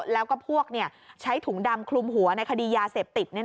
แล้วก็พวกใช้ถุงดำคลุมหัวในคดียาเสพติด